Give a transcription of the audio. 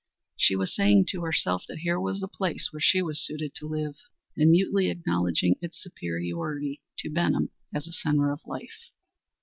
She was saying to herself that here was the place where she was suited to live, and mutely acknowledging its superiority to Benham as a centre of life.